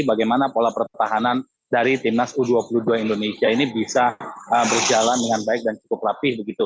bagaimana pola pertahanan dari timnas u dua puluh dua indonesia ini bisa berjalan dengan baik dan cukup rapih begitu